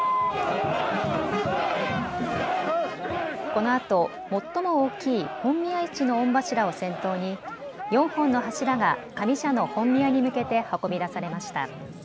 このあと最も大きい本宮一の御柱を先頭に４本の柱が上社の本宮に向けて運び出されました。